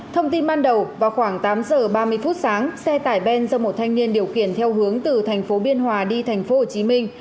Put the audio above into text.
thông tin ban đầu vào khoảng tám giờ ba mươi phút sáng xe tải ben do một thanh niên điều khiển theo hướng từ tp biên hòa đi tp hồ chí minh